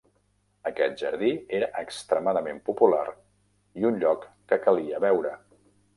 Aquest jardí era extremadament popular i un lloc que calia veure.